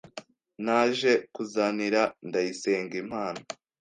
Naje kuzanira Ndayisenga impano.